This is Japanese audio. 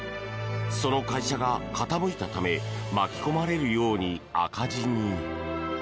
その会社が傾いたため巻き込まれるように赤字に。